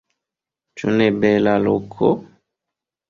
Ĉu ne bela loko?